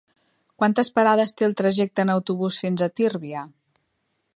Quantes parades té el trajecte en autobús fins a Tírvia?